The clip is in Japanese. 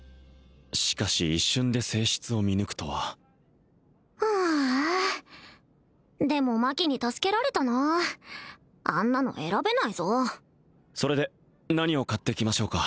しかし一瞬で性質を見抜くとははあでもマキに助けられたなあんなの選べないぞそれで何を買ってきましょうか？